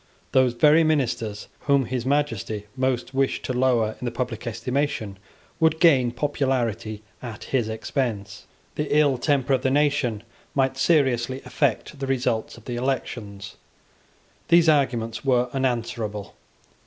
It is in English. Those very ministers whom His Majesty most wished to lower in the public estimation would gain popularity at his expense. The ill temper of the nation might seriously affect the result of the elections. These arguments were unanswerable.